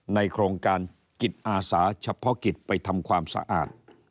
โครงการจิตอาสาเฉพาะกิจไปทำความสะอาด